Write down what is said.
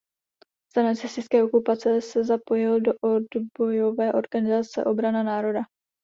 Za nacistické okupace se zapojil do odbojové organizace Obrana národa.